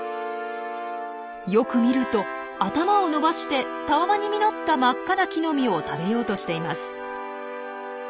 よく見ると頭を伸ばしてたわわに実った真っ赤な木の実を食べようとしています。